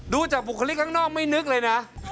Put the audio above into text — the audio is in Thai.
ดูจากบุคลิกข้างนอกไม่นึกเลยนะ